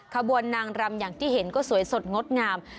ขบวนนางรำอย่างที่เห็นก็สวยสดงดงาม